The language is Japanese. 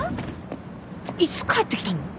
いつ帰ってきたの？